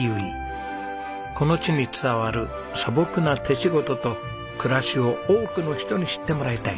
この地に伝わる素朴な手仕事と暮らしを多くの人に知ってもらいたい。